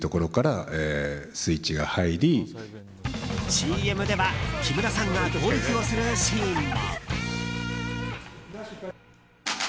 ＣＭでは、木村さんがゴルフをするシーンも。